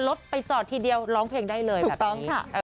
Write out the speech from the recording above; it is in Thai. รถไปจอดทีเดียวร้องเพลงได้เลยถูกต้องค่ะ